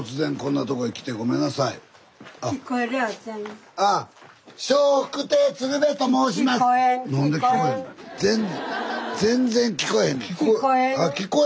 スタジオ全然聞こえへんねん。